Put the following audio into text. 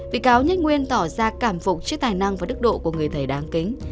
bị cáo nhất nguyên tỏ ra cảm phục trước tài năng và đức độ của người thầy đáng kính